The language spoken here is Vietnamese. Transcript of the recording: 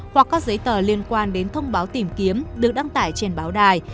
hoặc các giấy tờ liên quan đến thông báo tìm kiếm được đăng tải trên báo đài